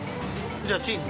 ◆じゃあチーズ。